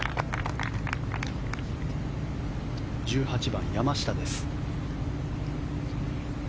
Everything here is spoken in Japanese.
１８番、山下です。